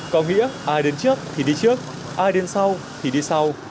có nghĩa ai đến trước thì đi trước ai đến sau thì đi sau